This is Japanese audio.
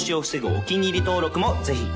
お気に入り登録もぜひ